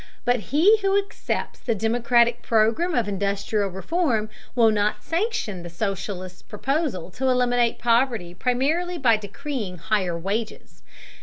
But he who accepts the democratic program of industrial reform will not sanction the socialist's proposal to eliminate poverty primarily by decreeing higher wages.